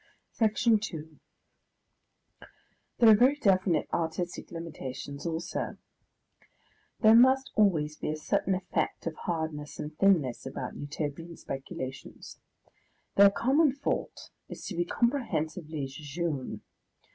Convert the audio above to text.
Section 2 There are very definite artistic limitations also. There must always be a certain effect of hardness and thinness about Utopian speculations. Their common fault is to be comprehensively jejune.